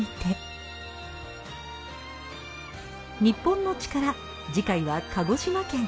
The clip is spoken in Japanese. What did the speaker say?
『日本のチカラ』次回は鹿児島県。